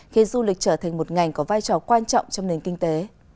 khi du lịch trở thành một ngành có vai trò quan trọng trong nền kinh tế